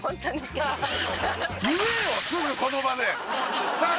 すぐその場で！